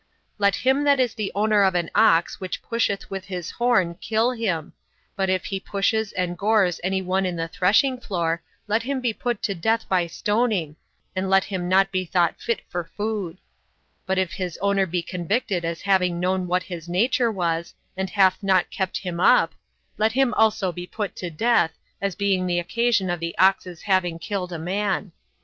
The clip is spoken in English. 36. Let him that is the owner of an ox which pusheth with his horn, kill him: but if he pushes and gores any one in the thrashing floor, let him be put to death by stoning, and let him not be thought fit for food: but if his owner be convicted as having known what his nature was, and hath not kept him up, let him also be put to death, as being the occasion of the ox's having killed a man.